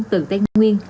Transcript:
từ tây nguyên